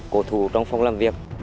cố thủ trong phòng làm việc